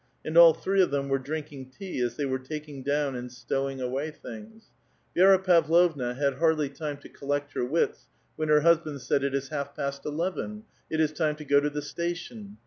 And all three of them were drinking tea, as they were takins: down Bind stowing away things. Vi^ra Pavlovna had hardly time 1 Dd sviddnya. 268 A VITAL QUESTION. to collect her wits, when her husband said, "It is half past eleven ; it is time to go to the station."